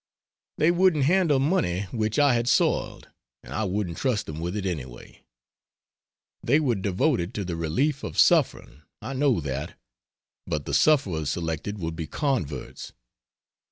They wouldn't handle money which I had soiled, and I wouldn't trust them with it, anyway. They would devote it to the relief of suffering I know that but the sufferers selected would be converts.